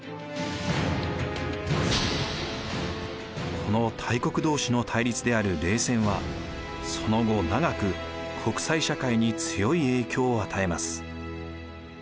この大国同士の対立である冷戦はその後長く国際社会に強い影響を与えます。